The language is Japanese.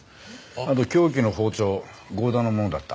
あと凶器の包丁剛田のものだった。